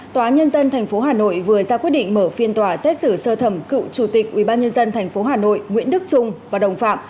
tòa nhân dân tp hà nội vừa ra quyết định mở phiên tòa xét xử sơ thẩm cựu chủ tịch ubnd tp hà nội nguyễn đức trung và đồng phạm